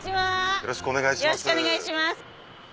よろしくお願いします。